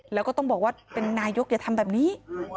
แล้วก็ต้องบอกว่าเป็นนายกอย่าทำแบบนี้